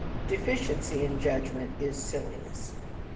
Deficiency in judgment is silliness.